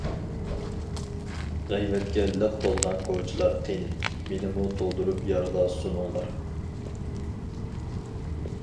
غەيۋەتكە لىق تولغان كوچىلار قېنى، مېنىمۇ تولدۇرۇپ يارغا سۇنۇڭلار.